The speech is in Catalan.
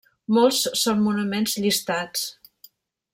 Molts són monuments llistats.